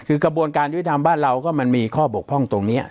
คือกระบวนการยุติธรรมบ้านเราก็มันมีข้อบกพร่องตรงนี้